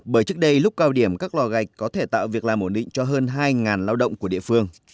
bởi trước đây lúc cao điểm các lò gạch có thể tạo việc làm ổn định cho hơn hai lao động của địa phương